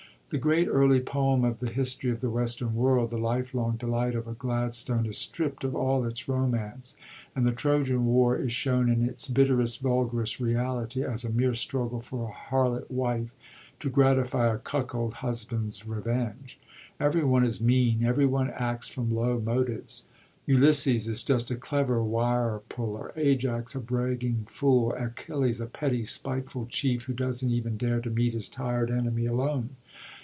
The great early poem of the history of the western world, the lifelong delight of a Gladstone, is stript of all its romance ; and the Trojan War is shown in its bitterest, vulgarest reality, as a mere struggle for a harlot wife, to gratify a cuckold husband's revenge. Every one is mean, every one acts from low motives. Ulysses is just a clever wire puller, Ajax a bragging fool, Achilles a petty, spiteful chief, who doesn't even dare to meet his tired enemy alone.